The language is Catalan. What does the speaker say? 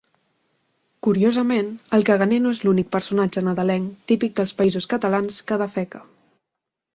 Curiosament, el caganer no és l'únic personatge nadalenc típic dels Països Catalans que defeca.